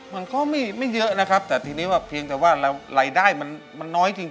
มันก็ไม่เยอะนะครับแต่ทีนี้ว่าเพียงแต่ว่ารายได้มันน้อยจริง